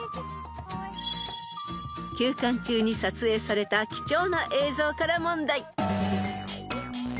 ［休館中に撮影された貴重な映像から問題］